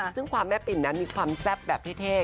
ซึ่งความแม่ปิ่นนั้นมีความแซ่บแบบเท่